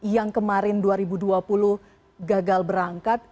yang kemarin dua ribu dua puluh gagal berangkat